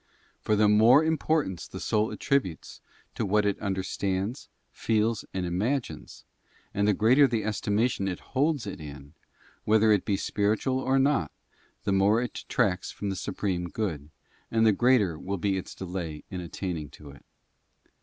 For the more importance the soul attributes to what it understands, feels, and imagines, and the greater the estimation it holds it in, whether it be spiritual or not, the more it detracts from the Supreme Good, and the greater will be its delay in attaining to it.